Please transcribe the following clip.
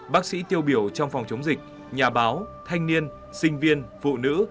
bác sĩ tiêu biểu trong phòng chống dịch nhà báo thanh niên sinh viên phụ nữ